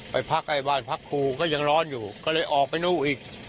ไปพักไอ้บ้านพักครูก็ยังร้อนอยู่ก็เลยออกไปนู่นอีก